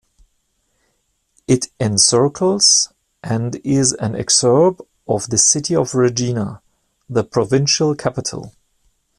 It encircles and is an exurb of the city of Regina, the provincial capital.